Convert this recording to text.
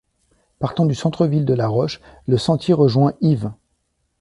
Partant du centre-ville de La Roche, le sentier rejoint Hives.